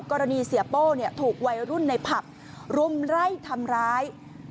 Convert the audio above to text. กรณีเสียโป้ถูกวัยรุ่นในผับรุมไล่ทำร้าย